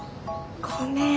ごめん。